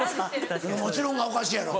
「もちろん」はおかしいやろ。